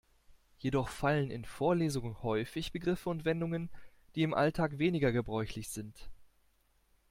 Jedoch fallen in Vorlesungen häufig Begriffe und Wendungen, die im Alltag weniger gebräuchlich sind.